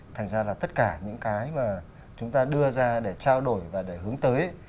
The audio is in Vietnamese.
thành ra là tất cả những cái mà chúng ta đưa ra để trao đổi và để hướng tới